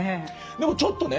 でもちょっとね